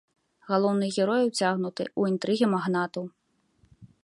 Галоўныя героі ўцягнуты ў інтрыгі магнатаў.